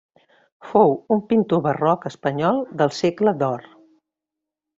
Fou un pintor barroc espanyol del Segle d'Or.